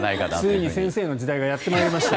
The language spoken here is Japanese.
ついに先生の時代がやってまいりました。